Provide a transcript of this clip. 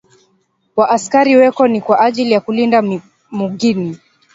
Wa askari weko ni kwa ajili ya kulinda mugini